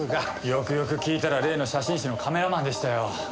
よくよく聞いたら例の写真誌のカメラマンでしたよ。